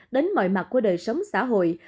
đến mọi mặt của đời sống xã hội